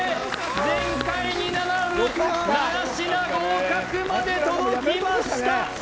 前回に並ぶ７品合格まで届きました